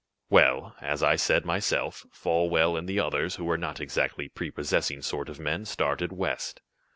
Well, as I said, myself, Folwell and the others, who were not exactly prepossessing sort of men, started west.